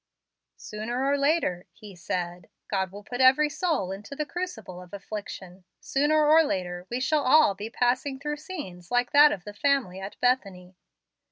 "Sooner or later," he said, "God will put every soul into the crucible of affliction. Sooner or later we shall all be passing through scenes like that of the family at Bethany.